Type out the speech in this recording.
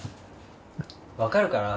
分かるかな？